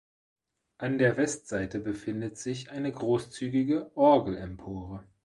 An der Westseite befindet sich eine großzügige Orgelempore.